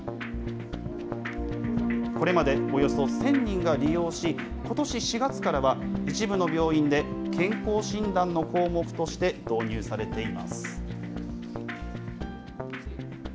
これまでおよそ１０００人が利用し、ことし４月からは一部の病院で健康診断の項目として導入されています。